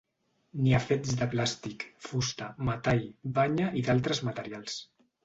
N'hi ha fets de plàstic, fusta, metall, banya i d'altres materials.